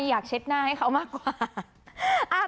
ไม่อยากเช็ดหน้าให้เขามากกว่า